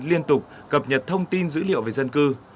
liên tục cập nhật thông tin dữ liệu về dân cư